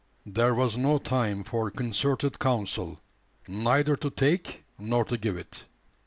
There was no time for concerted counsel neither to take nor to give it.